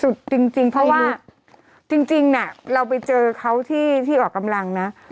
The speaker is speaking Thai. จริงเพราะว่าจริงน่ะเราไปเจอเขาที่ออกกำลังนะ